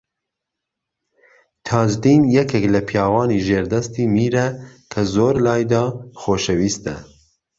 تاجدین یەکێک لە پیاوانی ژێردەستی میرە کە زۆر لایدا خۆشەویستە